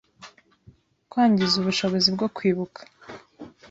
kwangiza ubushobozi bwo kwibuka,